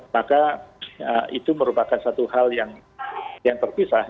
maka itu merupakan satu hal yang terpisah